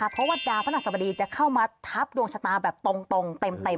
เพราะว่าดาวพระหัสบดีจะเข้ามาทับดวงชะตาแบบตรงเต็ม